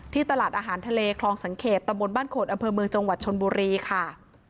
ตลาดอาหารทะเลคลองสังเกตตำบลบ้านโขดอำเภอเมืองจังหวัดชนบุรีค่ะ